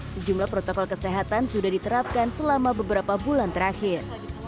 sejumlah protokol kesehatan sudah diterapkan selama beberapa bulan terakhir